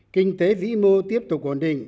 kinh tế vĩ mô tiếp tục